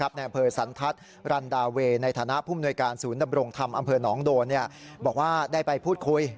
บอกว่าได้ไปพูดคุย